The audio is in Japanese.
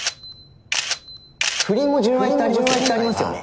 不倫も純愛ってありますよね？